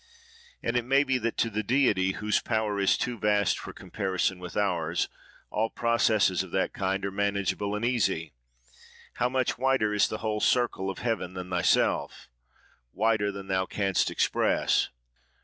And it may be that to the Deity, whose power is too vast for comparison with ours, all processes of that kind are manageable and easy. How much wider is the whole circle of heaven than thyself?—Wider than thou canst express.